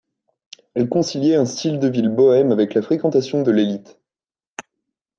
Elle conciliait un style de vie bohème avec la fréquentation de l'élite.